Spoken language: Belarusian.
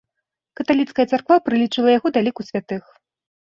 Каталіцкая царква прылічыла яго да ліку святых.